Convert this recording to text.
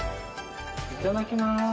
いただきます。